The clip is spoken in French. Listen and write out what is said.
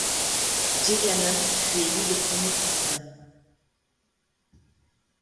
J Cannon fut élu le premier président.